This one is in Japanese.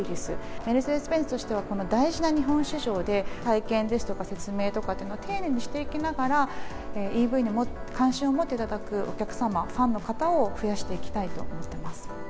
メルセデス・ベンツとしては、この大事な日本市場で、体験ですとか、説明とかというのを丁寧にしていきながら、ＥＶに関心を持っていただくお客様、ファンの方を増やしていきたいと思っております。